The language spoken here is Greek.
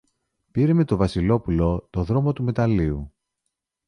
πήρε με το Βασιλόπουλο το δρόμο του μεταλλείου